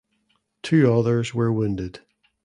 Two others were wounded.